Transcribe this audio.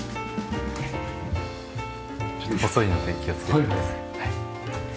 ちょっと細いので気をつけてください。